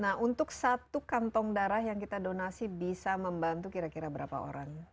nah untuk satu kantong darah yang kita donasi bisa membantu kira kira berapa orang